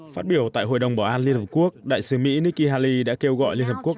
phát biểu tại hội đồng bảo an liên hợp quốc đại sứ mỹ nikki haley đã kêu gọi liên hợp quốc